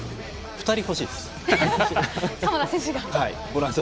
２人欲しいです。